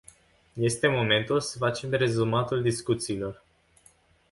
Este momentul să facem rezumatul discuțiilor.